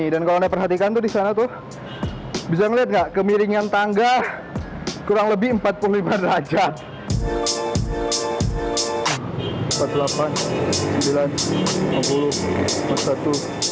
dan kalau anda perhatikan tuh disana tuh bisa ngelihat nggak kemiringan tangga kurang lebih empat puluh lima derajat